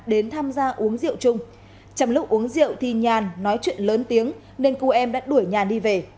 đến tham gia uống rượu chung trong lúc uống rượu thì nhàn nói chuyện lớn tiếng nên cô em đã đuổi nhà đi về